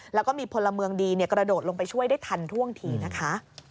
แล้วก็มีพลเมืองดีกระโดดลงไปช่วยได้ทันท่วงทีนะคะ